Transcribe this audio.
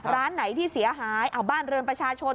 ร้านไหนที่เสียหายเอาบ้านเรือนประชาชน